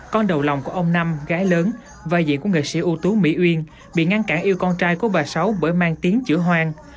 con đầu lòng của ông năm gái lớn và dị của nghệ sĩ ưu tú mỹ uyên bị ngăn cản yêu con trai của bà sáu bởi mang tiếng chữ hoang